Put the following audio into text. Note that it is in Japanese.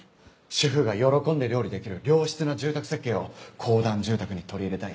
主婦が喜んで料理できる良質な住宅設計を公団住宅に取り入れたい。